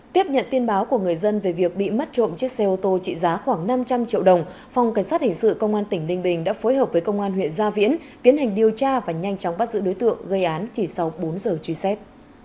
tiếp nhận tin báo của người dân về việc bị mất trộm chiếc xe ô tô trị giá khoảng năm trăm linh triệu đồng phòng cảnh sát hình sự công an tỉnh ninh bình đã phối hợp với công an huyện gia viễn tiến hành điều tra và nhanh chóng bắt giữ đối tượng gây án chỉ sau bốn giờ truy xét